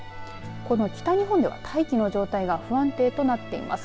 この北日本では、大気の状態が不安定となっています。